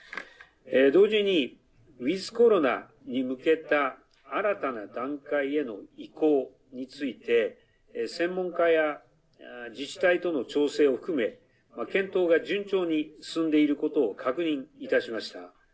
同時に、ウィズコロナに向けた新たな段階への移行について専門家や自治体との調整を含め検討が順調に進んでいることを確認いたしました。